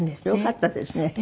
よかったですね。